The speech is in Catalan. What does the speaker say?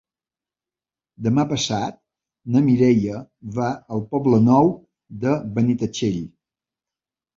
Demà passat na Mireia va al Poble Nou de Benitatxell.